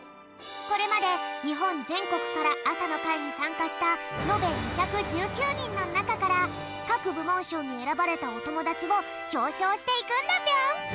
これまでにほんぜんこくからあさのかいにさんかしたのべ２１９にんのなかからかくぶもんしょうにえらばれたおともだちをひょうしょうしていくんだぴょん！